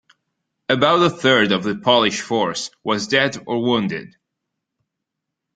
About a third of the Polish force was dead or wounded.